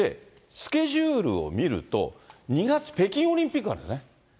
スケジュールを見ると、２月、北京オリンピックあるんですよね。